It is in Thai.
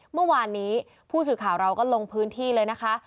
เมื่อวานนี้ผู้สื่อข่าวเราก็ลงพื้นที่เลยนะคะ